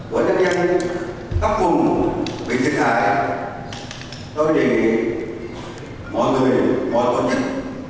của nhân dân các vùng bị thiệt hại tôi đề nghị mọi người mọi tổ chức